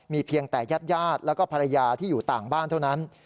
เพียงแต่ญาติญาติแล้วก็ภรรยาที่อยู่ต่างบ้านเท่านั้น